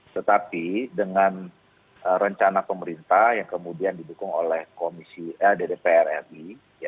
tetapi dengan rencana pemerintah yang kemudian didukung oleh ddprri